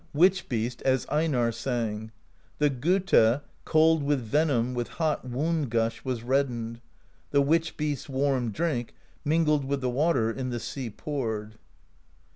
Witch Beast, as Einarr sang: The Gotha, cold with venom, With hot Wound Gush was reddened; The Witch Beast's warm drink, mingled With the water, in the sea poured.